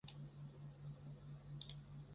公园范围包括北潭凹至榕树澳一带。